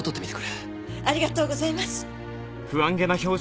ありがとうございます。